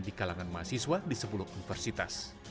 di kalangan mahasiswa di sepuluh universitas